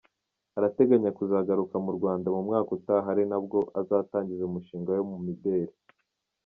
Arateganya kuzagaruka mu Rwanda mu mwaka utaha ari nabwo azatangiza umushinga we mu mideli.